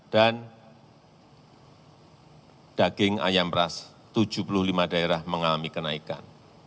dan daging ayam beras tujuh puluh lima daerah mengalami kenaikan